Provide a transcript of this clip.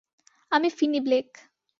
আমি Finny Blake.